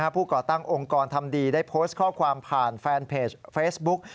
ก่อตั้งองค์กรทำดีได้โพสต์ข้อความผ่านแฟนเพจเฟซบุ๊ก